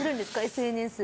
ＳＮＳ。